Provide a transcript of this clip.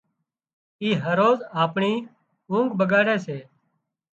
اي هروز آپڻي اونگھ ٻڳاڙي سي